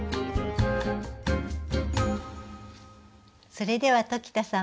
それでは鴇田さん